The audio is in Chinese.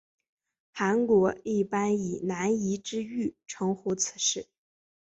韩国一般以南怡之狱称呼此事。